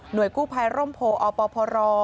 หน่วยกู้ภัยร่มโพอพร